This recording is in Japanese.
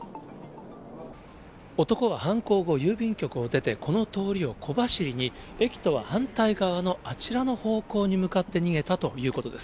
男は犯行後、郵便局を出て、この通りを小走りに、駅とは反対側のあちらの方向に向かって逃げたということです。